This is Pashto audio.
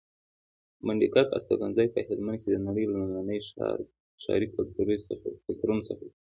د منډیګک استوګنځی په هلمند کې د نړۍ لومړني ښاري کلتورونو څخه دی